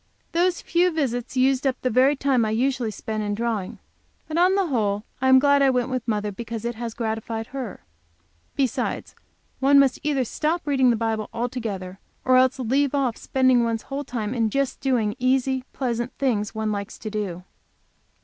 Those few visits used up the very time I usually spend in drawing. But on the whole I am glad I went with mother, because it has gratified her. Besides, one must either stop reading the Bible altogether, or else leave off spending one's whole time in just doing easy pleasant things one likes to do.